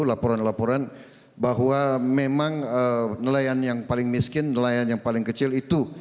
laporan laporan bahwa memang nelayan yang paling miskin nelayan yang paling kecil itu